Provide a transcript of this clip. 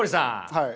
はい。